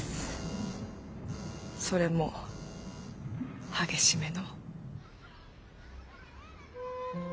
それも激しめの。